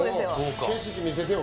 うん景色見せてよ